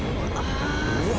うわ！